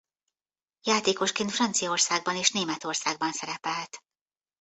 Játékosként Franciaországban és Németországban szerepelt.